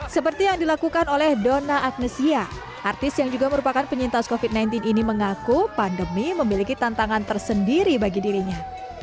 seperti yang dilakukan oleh dona agnesia artis yang juga merupakan penyintas covid sembilan belas ini mengaku pandemi memiliki tantangan tersendiri bagi dirinya